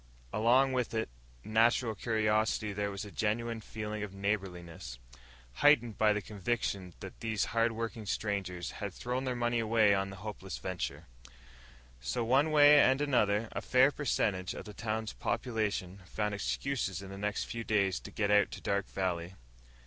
Along with its natural curiosity there was a genuine feeling of neighborliness heightened by the conviction that these hardworking strangers had thrown their money away on a hopeless venture. So, one way and another, a fair percentage of the town's population found excuses in the next few days to get out to Dark Valley.